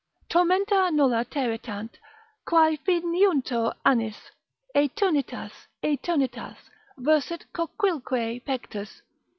Tormenta nulla territant, Quae finiuntur annis; Aeternitas, aeternitas Versat coquilque pectus.